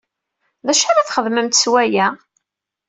D acu ara ad txedmemt s waya?